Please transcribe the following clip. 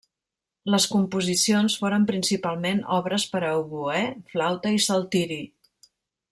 Les composicions foren principalment obres per a oboè, flauta i saltiri.